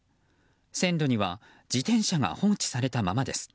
線路には自転車が放置されたままです。